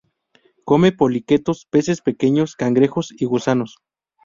Come poliquetos, peces pequeños, cangrejos y gusanos.